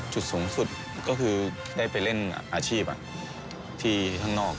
จุดสูงสุดก็คือได้ไปเล่นอาชีพที่ข้างนอก